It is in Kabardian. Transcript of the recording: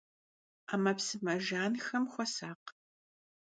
Ӏэмэпсымэ жанхэм хуэсакъ.